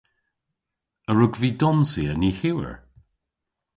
A wrug vy donsya nyhewer?